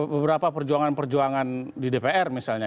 beberapa perjuangan perjuangan di dpr misalnya